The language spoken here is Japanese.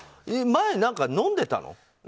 前、何か飲んでたの？